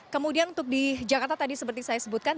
kemudian untuk di jakarta tadi seperti saya sebutkan